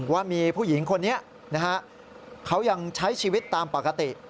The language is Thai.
ว่ามีผู้หญิงคนนี้นะฮะเขายังใช้ชีวิตตามปกติ